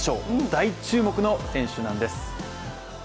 大注目の選手なんです。